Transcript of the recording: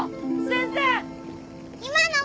先生！